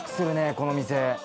この店。